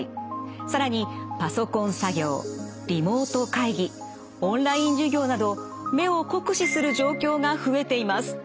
更にパソコン作業リモート会議オンライン授業など目を酷使する状況が増えています。